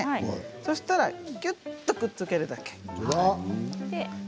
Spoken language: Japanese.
そうしたらぎゅっとくっつけるだけ。